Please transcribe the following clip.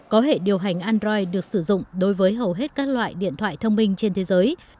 có hệ điều hành android được sử dụng đối với hầu hết các loại điện thoại thông minh trên thế giới